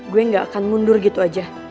gue gak akan mundur gitu aja